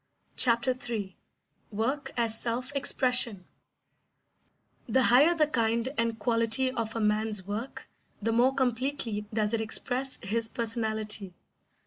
Chapter III Work as Self Expression The higher the kind and quality of a man's work, the more completely does it express his personality.